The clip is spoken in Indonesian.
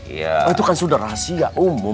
itu kan sudah rahasia umum